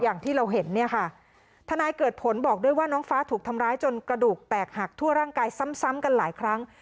อย่างที่เราเห็นเนี่ยค่ะทนายเกิดผลบอกด้วยว่าน้องฟ้าถูกทำร้ายจนกระดูกแตกหักทั่วร่างกายซ้ำกันหลายครั้ง